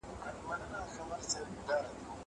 سبزېجات تيار کړه!!